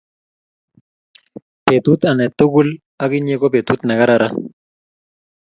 Petut ane tugul ak inye ko petut ne kararan